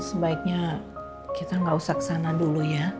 sebaiknya kita nggak usah kesana dulu ya